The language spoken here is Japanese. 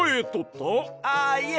あっいえ。